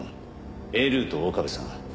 Ａルートを岡部さん